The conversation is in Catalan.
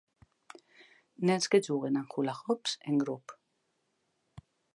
Nens que juguen amb hula-hoops en grup.